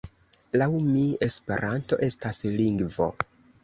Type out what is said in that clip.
Laŭ mi Esperanto estas lingvo.